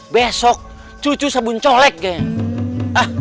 besok cucu sabun colek kayaknya